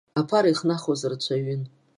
Аԥара ихнахуаз рацәаҩын.